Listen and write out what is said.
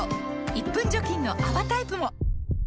１分除菌の泡タイプも！